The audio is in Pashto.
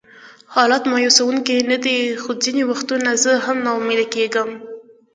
حالات مایوسونکي نه دي، خو ځینې وختونه زه هم ناامیده کېږم.